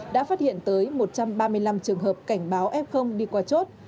đã phát hiện tới một trăm ba mươi năm trường hợp cảnh báo f đi qua chốt